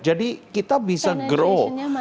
jadi kita bisa grow